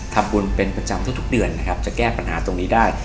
ทำบุญเป็นประจำทุกเดือนนะครับจะแก้ปัญหาตรงนี้ได้